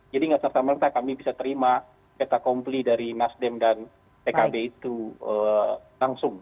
jadi nggak serta merta kami bisa terima kata kompli dari nasdem dan pkb itu langsung